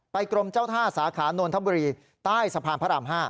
ไปกรมเจ้าท่าสาขานวลธบุรีใต้สะพานพระอำหาฯ